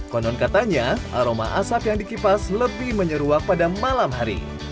konon katanya aroma asap yang dikipas lebih menyeruak pada malam hari